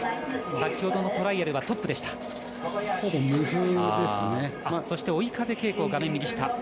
先ほどのトライアルはトップでした。